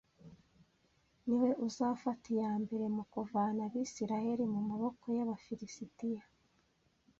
Ni we uzafata iya mbere mu kuvana Abisirayeli mu maboko y’Abafilisitiya